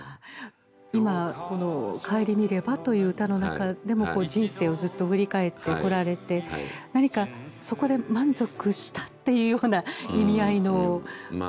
今この「顧みれば」という歌の中でも人生をずっと振り返ってこられて何かそこで満足したっていうような意味合いの歌詞。